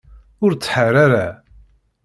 Ur ttḥar ara